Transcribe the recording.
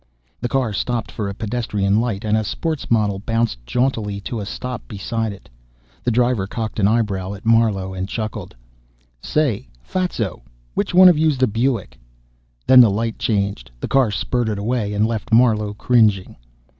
The car stopped for a pedestrian light, and a sports model bounced jauntily to a stop beside it. The driver cocked an eyebrow at Marlowe and chuckled. "Say, Fatso, which one of you's the Buick?" Then the light changed, the car spurted away, and left Marlowe cringing.